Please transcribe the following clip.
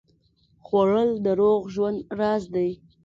خوړل د روغ ژوند راز دی